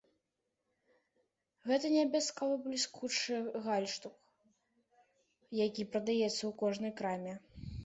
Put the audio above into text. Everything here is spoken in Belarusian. Гэта не абавязкова бліскучы гальштук, які прадаецца ў кожнай краме.